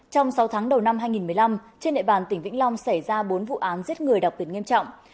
trong sáu tháng đầu năm hai nghìn một mươi năm trên địa bàn tỉnh vĩnh long xảy ra bốn vụ án giết người đặc biệt nghiêm trọng